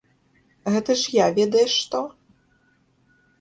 Гэта ж я, ведаеш што?